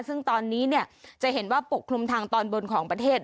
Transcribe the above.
ซึ่งตอนนี้จะเห็นว่าปกคลุมทางตอนบนของประเทศ